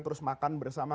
terus makan bersama